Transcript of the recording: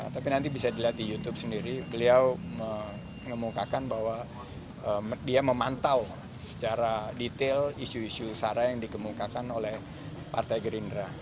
tapi nanti bisa dilihat di youtube sendiri beliau mengemukakan bahwa dia memantau secara detail isu isu sara yang dikemukakan oleh partai gerindra